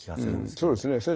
うんそうですね。